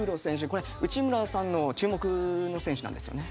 これは内村さんの注目の選手なんですよね。